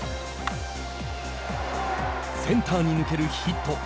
センターに抜けるヒット。